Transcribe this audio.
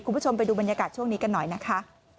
คุณผู้ชมไปดูบรรยากาศช่วงนี้กันหน่อยนะคะ